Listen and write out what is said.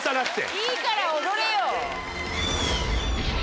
・いいから踊れよ！